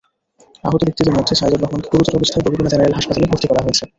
আহত ব্যক্তিদের মধ্যে সাইদুর রহমানকে গুরুতর অবস্থায় বরগুনা জেনারেল হাসপাতালে ভর্তি করা হয়েছে।